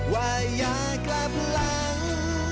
ว่าอย่ากลับหลัง